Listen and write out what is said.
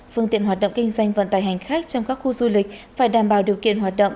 phương tiện hoạt động kinh doanh vận tài hành khách trong các khu du lịch phải đảm bảo điều kiện hoạt động